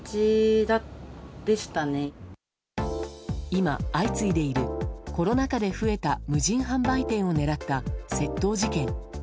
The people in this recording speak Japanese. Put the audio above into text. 今、相次いでいるコロナ禍で増えた無人販売店を狙った窃盗事件。